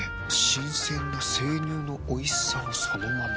新鮮な生乳のおいしさをそのまま。